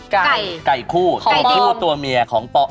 ไก่ของพ่อไก่คู่ตัวผู้ตัวเมียของพ่อ